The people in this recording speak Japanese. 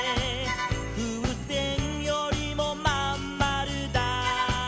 「ふうせんよりもまんまるだ」